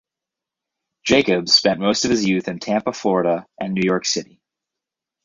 Jacobs spent most of his youth in Tampa, Florida and New York City.